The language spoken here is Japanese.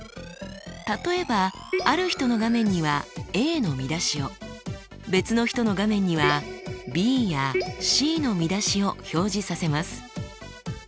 例えばある人の画面にはＡの見出しを別の人の画面にはＢやＣの見出しを表示させます。